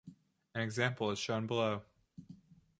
An example is shown below.